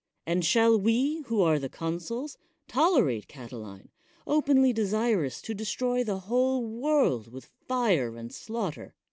And shall we, who are the consuL tolerate Catiline, openly desirous to destroy th whole world with fire and slaughter?